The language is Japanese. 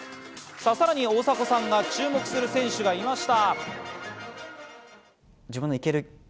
さらに大迫さんが注目する選手がいました。